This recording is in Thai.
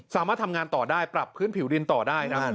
สามารถทำงานต่อได้ปรับพื้นผิวดินต่อได้ครับ